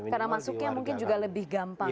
karena masuknya mungkin juga lebih gampang ya